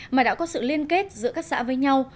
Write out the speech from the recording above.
mà đã có sự liên kết giữa các xã với nhau